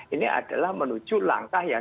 ini adalah menuju langkah yang